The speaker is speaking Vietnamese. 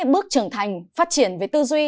bước trưởng thành phát triển về tư duy